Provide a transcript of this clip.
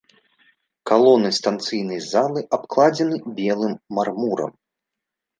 Калоны станцыйнай залы абкладзены белым мармурам.